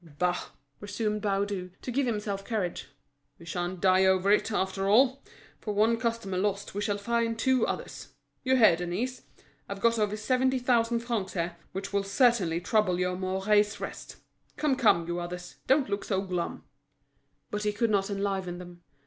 "Bah!" resumed Baudu, to give himself courage; "we sha'n't die over it, after all. For one customer lost we shall find two others. You hear, Denise, I've got over seventy thousand francs there, which will certainly trouble your Mouret's rest. Come, come, you others, don't look so glum!" But he could not enliven them.